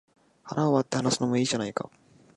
腹を割って話すのもいいじゃないか